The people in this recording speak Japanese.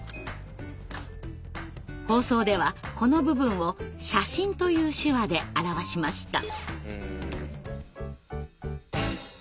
放送ではこの部分を「写真」という手話で表しました。